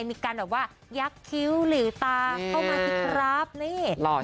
มีการแบบว่ายักษ์คิ้วหรือตาเข้ามาพิกรับ